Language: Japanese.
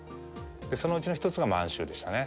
そのうちの１つが満州でしたね。